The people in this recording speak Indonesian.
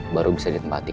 baru bisa ditempatkan